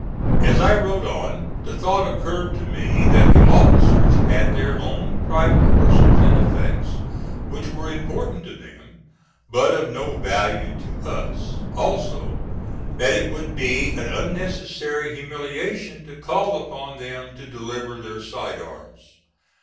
As I wrote on, the thought occurred to me that the officers had their own private horses and effects, which were important to them, but of no value to us; also that it would be an unnecessary humiliation to call upon them to deliver their side arms.